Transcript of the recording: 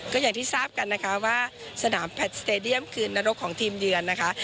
ก็อย่างที่ทราบกันนะคะว่าสนามแพทย์สเตดียมคือนรกของทีมเยือนนะคะ